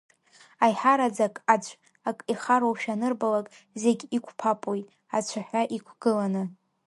Аиҳараӡак аӡә, ак ихароушәа анырбалак, зегь иқәпапоит, ацәаҳәа иқәгыланы.